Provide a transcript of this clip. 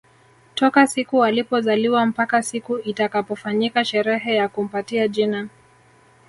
Toka siku alipozaliwa mpaka siku itakapofanyika sherehe ya kumpatia jina